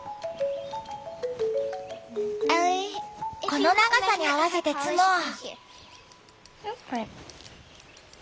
この長さに合わせて摘もう。